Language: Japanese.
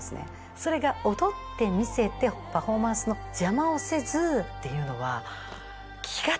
それが踊って見せてパフォーマンスの邪魔をせずっていうのは。